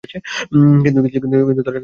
কিন্তু তার কিছুকাল পরে মারা গেলেন।